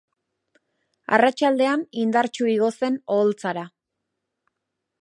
Arratsaldean indartsu igo zen oholtzara.